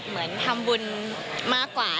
เหมือนทำบุญมากกว่า